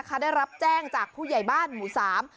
เขาได้รับแจ้งจากผู้ใหญ่บ้านหมู่สาม